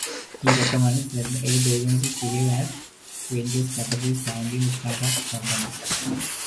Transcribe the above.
He recommends that aid agencies behave as venture capitalists funding start-up companies.